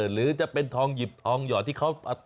หรือจะเป็นทองหยิบทองหยอดที่เขา